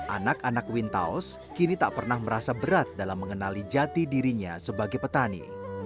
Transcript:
anak anak wintaus kini tak pernah merasa berat dalam mengenali jati dirinya sebagai petani